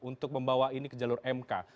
untuk membawa ini ke jalur mk